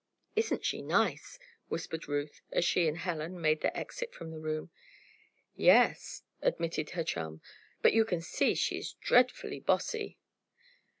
"Isn't she nice?" whispered Ruth, as she and Helen made their exit from the room. "Ye es," admitted her chum. "But you can see she is dreadfully 'bossy.'"